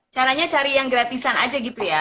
caranya cari yang gratisan aja gitu ya